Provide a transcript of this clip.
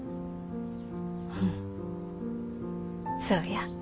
そうや。